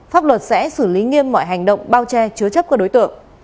pháp luật sẽ xử lý nghiêm mọi hành động bao che chứa chấp các đối tượng